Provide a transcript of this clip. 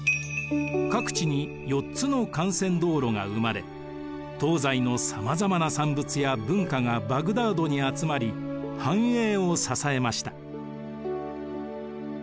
各地に４つの幹線道路が生まれ東西のさまざまな産物や文化がバグダードに集まり繁栄を支えました。